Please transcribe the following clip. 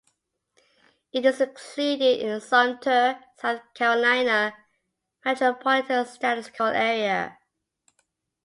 It is included in the Sumter, South Carolina Metropolitan Statistical Area.